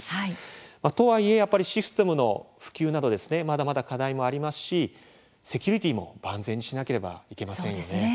とはいえ、システムの普及などまだまだ課題もありますしセキュリティーも万全にしなければいけませんよね。